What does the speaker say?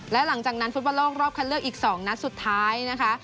และหลังจากนั้นฟุตบอลโลกรอบคัดเลือกอีก๒นัดสุดท้ายนะคะ